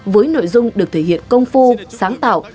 với nội dung được thể hiện công phu sáng tạo